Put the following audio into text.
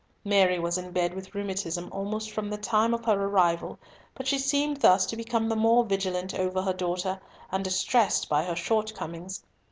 Mary was in bed with rheumatism almost from the time of her arrival, but she seemed thus to become the more vigilant over her daughter, and distressed by her shortcomings.